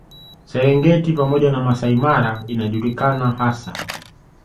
Serengeti pamoja na Masai Mara inajulikana hasa